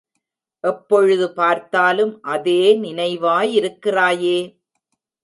எப்பொழுது பார்த்தாலும் அதே நினைவாயிருக்கிறாயே.